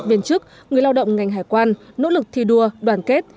viên chức người lao động ngành hải quan nỗ lực thi đua đoàn kết